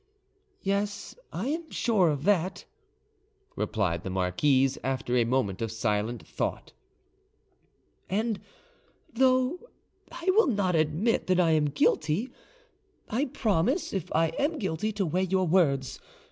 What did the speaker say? "Yes, I am sure of that," replied the marquise, after a moment of silent thought; "and though I will not admit that I am guilty, I promise, if I am guilty, to weigh your words.